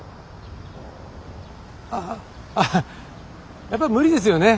アハッやっぱ無理ですよね。